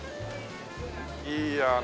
いいやね。